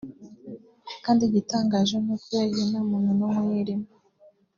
kandi igitangaje n’uko yahiye nta muntu n’umwe uyirimo”